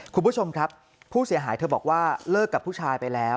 คุณผู้ชมครับผู้เสียหายเธอบอกว่าเลิกกับผู้ชายไปแล้ว